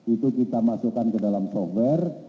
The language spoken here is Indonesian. itu kita masukkan ke dalam software